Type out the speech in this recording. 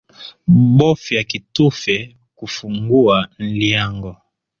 Bofya kitufe kufungua nlyango